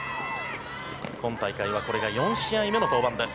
今大会はこれが４試合目の登板です。